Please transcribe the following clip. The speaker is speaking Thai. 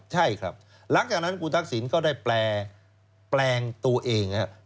ใช่ครับหลังจากนั้นคุณทักษิณก็ได้แปลงตัวเอง